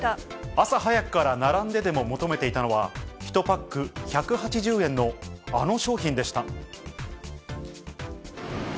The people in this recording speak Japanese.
朝早くから並んででも求めていたのは、１パック１８０円の、あの商品でした。